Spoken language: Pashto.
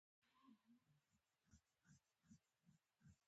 هره همکاري همدردي نه يي؛ خو هره همدردي بیا همکاري يي.